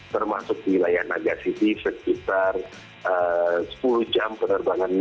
termasuk di wilayah nagasiti sekitar sepuluh jam penerbangan